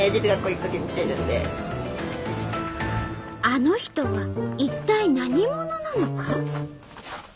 あの人は一体何者なのか？